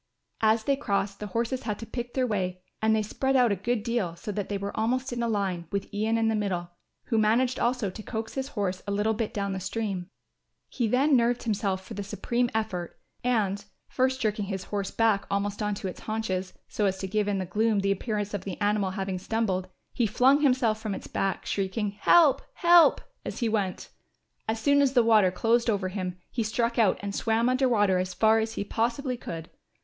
As they crossed, the horses had to pick their way and they spread out a good deal so that they were almost in a line, with Ian in the middle, who managed also to coax his horse a little bit down the stream. He then nerved himself for the supreme effort and, first jerking his horse back almost on to its haunches, so as to give in the gloom the appearance of the animal having stumbled, he flung himself from its back shrieking, "Help, help," as he went. As soon as the water closed over him he struck out and swam under water as far as he possibly could.